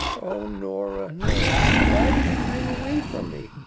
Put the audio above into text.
Oh, Nora, Nora, why did ye rin away from me?